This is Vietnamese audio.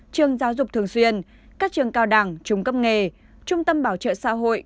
trường giáo dục thường xuyên các trường cao đẳng trung cấp nghề trung tâm bảo trợ xã hội